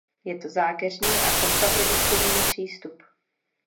Je to zákeřný a kontraproduktivní přístup.